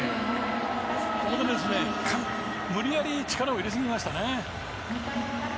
ここで、無理やり力を入れすぎましたね。